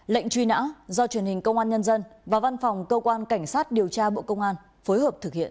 lệnh truy nã do truyền hình công an nhân dân và văn phòng cơ quan cảnh sát điều tra bộ công an phối hợp thực hiện